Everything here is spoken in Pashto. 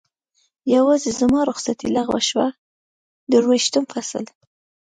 یوازې زما رخصتي لغوه شوه، درویشتم فصل.